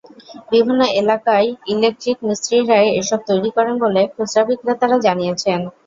বিভিন্ন এলাকায় ইলেকট্রিক মিস্ত্রিরাই এসব তৈরি করেন বলে খুচরা বিক্রেতারা জানিয়েছেন।